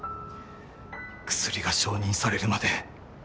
薬が承認されるまで